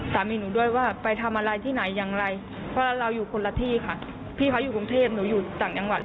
ทีนี้ค่ะพี่เขาอยู่กรุงเทพฯหนูอยู่ต่างจังหวัด